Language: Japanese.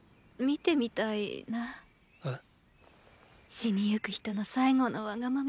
死にゆく人の最後のワガママ。